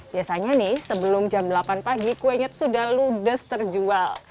biasanya nih sebelum jam delapan pagi kuenya sudah ludes terjual